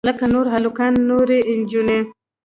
لکه نور هلکان نورې نجونې.